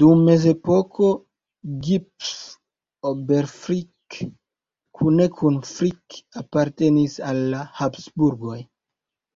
Dum mezepoko Gipf-Oberfrick kune kun Frick apartenis al la Habsburgoj.